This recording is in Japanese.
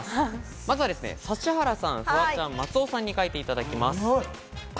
まずは指原さん、フワちゃん、松尾さんに書いていただきます。